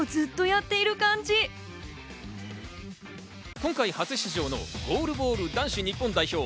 今回初出場のゴールボール男子日本代表。